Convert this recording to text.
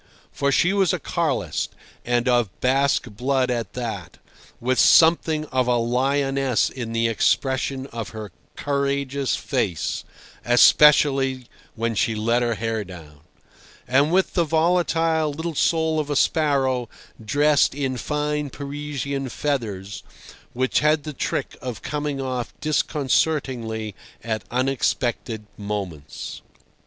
For she was a Carlist, and of Basque blood at that, with something of a lioness in the expression of her courageous face (especially when she let her hair down), and with the volatile little soul of a sparrow dressed in fine Parisian feathers, which had the trick of coming off disconcertingly at unexpected moments.